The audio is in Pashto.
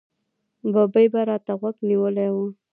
ببۍ به را ته غوږ نیولی و.